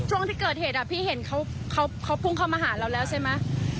ช่วงที่เกิดเหตุพี่เห็นเขาพุ่งเข้ามาหาเราแล้วใช่ไหม